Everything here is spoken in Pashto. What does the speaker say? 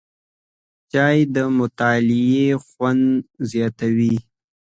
چای د مطالعې خوند زیاتوي